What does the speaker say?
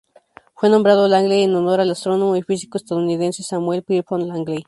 Fue nombrado Langley en honor al astrónomo y físico estadounidense Samuel Pierpont Langley.